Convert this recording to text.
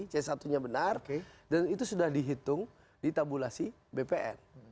c satu nya benar dan itu sudah dihitung di tabulasi bpn